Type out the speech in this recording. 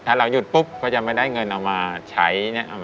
ถ้าเราหยุดปุ๊บก็จะไม่ได้เงินเอามาใช้